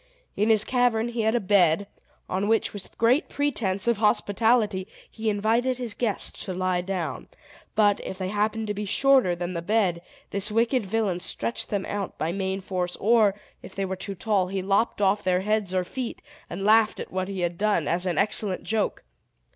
In his cavern he had a bed, on which, with great pretense of hospitality, he invited his guests to lie down; but, if they happened to be shorter than the bed, this wicked villain stretched them out by main force; or, if they were too tall, he lopped off their heads or feet, and laughed at what he had done, as an excellent joke.